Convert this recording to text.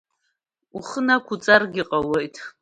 Ухы нақәуҵаргьы ҟалоит…